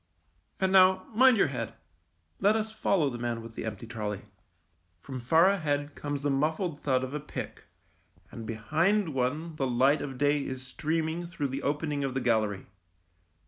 And now mind your head ; let us follow the man with the empty trolley. From far ahead comes the muffled thud of a pick, and behind one the light of day is streaming through the opening of the gallery.